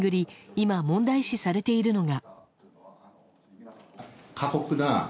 今、問題視されているのが。